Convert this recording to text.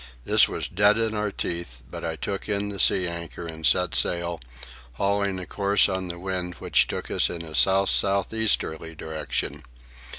This was dead in our teeth, but I took in the sea anchor and set sail, hauling a course on the wind which took us in a south south easterly direction.